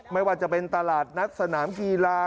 ไม่ว่าจะเป็นตลาดนัดสนามกีฬา